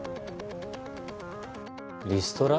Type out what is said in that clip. リストラ？